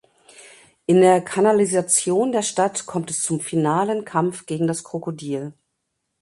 In der Kanalisation der Stadt kommt es zum finalen Kampf gegen das Krokodil.